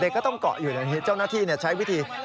ก็ต้องเกาะอยู่ตรงนี้เจ้าหน้าที่ใช้วิธี